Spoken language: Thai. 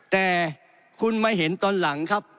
แต่คุณมาเห็นตอนหลังครับ